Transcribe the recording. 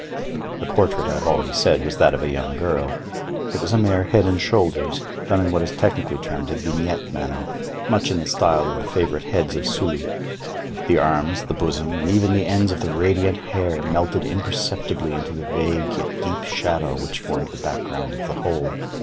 The portrait, I have already said, was that of a young girl. It was a mere head and shoulders, done in what is technically termed a vignette manner; much in the style of the favorite heads of Sully. The arms, the bosom, and even the ends of the radiant hair melted imperceptibly into the vague yet deep shadow which formed the back ground of the whole.